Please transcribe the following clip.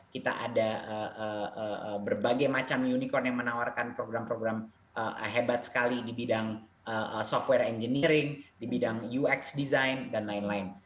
kita ada berbagai macam unicorn yang menawarkan program program hebat sekali di bidang software engineering di bidang ux design dan lain lain